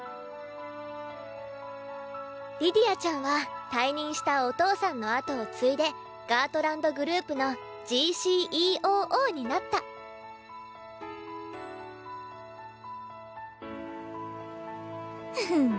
リディアちゃんは退任したお父さんのあとを継いでガートランドグループの ＧＣＥＯＯ になったフフン！